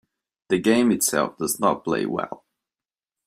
The game itself does not play well.